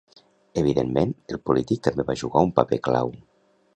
Evidentment, el polític també va jugar un paper clau.